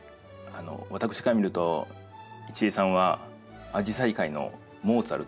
私から見ると一江さんはアジサイ界のモーツァルトのような。